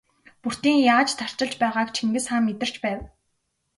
Бөртийн яаж тарчилж байгааг Чингис хаан мэдэрч байв.